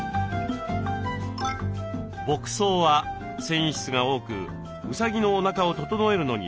牧草は繊維質が多くうさぎのおなかを整えるのに大切なもの。